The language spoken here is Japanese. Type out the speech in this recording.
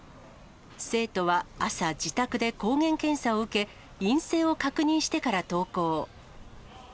生徒は朝、自宅で抗原検査を受け、陰性を確認してから登校。